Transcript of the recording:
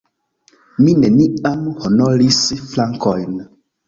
Mi neniam honoris flankojn.